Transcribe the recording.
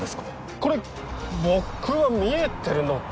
これっ僕は見えてるのか？